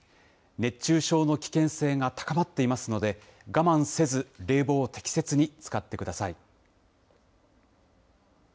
熱中症の危険性が高まっていますので、我慢せず冷房を適切に使ってください。